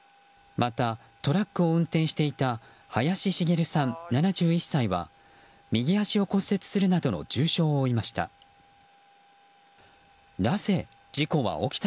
また、トラックを運転していた林茂さん、７１歳は右足を骨折するなどの重傷を負いました。